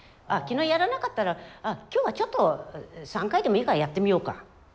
昨日やらなかったら今日はちょっと３回でもいいからやってみようか。